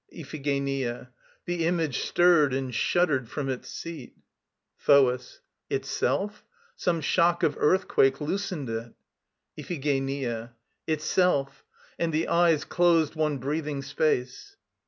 IPHIGENIA. The Image stirred and shuddered from its seat. THOAS. Itself? ... Some shock of earthquake loosened it. IPHIGENIA. Itself. And the eyes closed one breathing space.